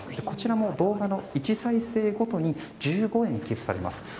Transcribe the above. こちらも動画の１再生ごとに１５円寄付されます。